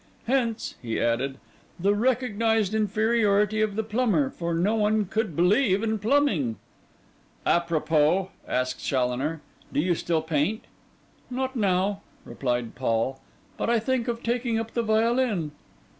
Hence,' he added, 'the recognised inferiority of the plumber, for no one could believe in plumbing.' 'A propos,' asked Challoner, 'do you still paint?' 'Not now,' replied Paul; 'but I think of taking up the violin.